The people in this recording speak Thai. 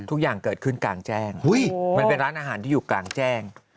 ทุกอย่างเกิดขึ้นกลางแจ้งมันเป็นร้านอาหารที่อยู่กลางแจ้ง